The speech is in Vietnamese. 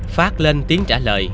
phát lên tiếng trả lời